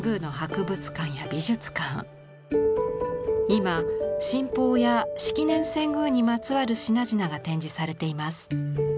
今神宝や式年遷宮にまつわる品々が展示されています。